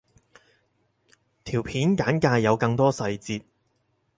條片簡介有更多細節